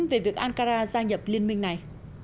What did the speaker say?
về việc ankara gia nhập liên minh này